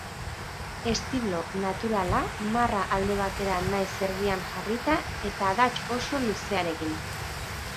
Estilo naturala, marra alde batera nahiz erdian jarrita eta adats oso luzearekin.